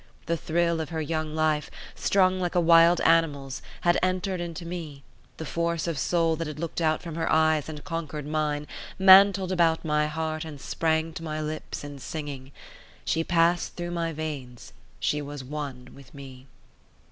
The thrill of her young life, strung like a wild animal's, had entered into me; the force of soul that had looked out from her eyes and conquered mine, mantled about my heart and sprang to my lips in singing. She passed through my veins: she was one with me.